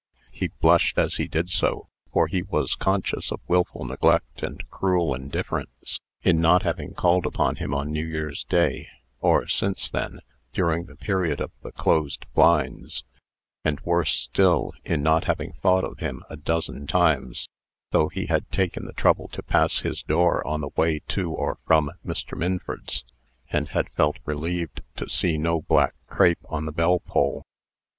He blushed as he did so, for he was conscious of wilful neglect and cruel indifference, in not having called upon him on New Year's day, or since then, during the period of the closed blinds; and worse still, in not having thought of him a dozen times, though he had taken the trouble to pass his door on his way to or from Mr. Minford's, and had felt relieved to see no black crape on the bell pull.